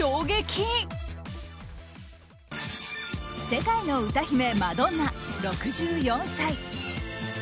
世界の歌姫マドンナ、６４歳。